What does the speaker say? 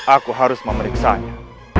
aku harus memeriksanya